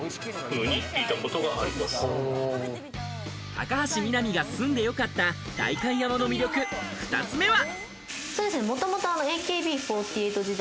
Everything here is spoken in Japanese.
高橋みなみが住んでよかった代官山の魅力、２つ目は。